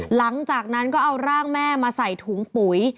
หลังจากนั้นก็เอาร่างแม่มาใส่ถุงปุ๋ย